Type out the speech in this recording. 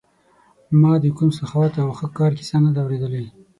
ما د کوم سخاوت او ښه کار کیسه نه ده اورېدلې.